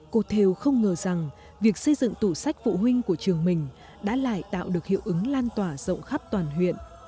cô theo không ngờ rằng việc xây dựng tủ sách phụ huynh của trường mình đã lại tạo được hiệu ứng lan tỏa rộng khắp toàn huyện